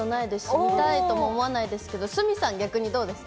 見たいとも思わないですけど、鷲見さん、逆にどうですか？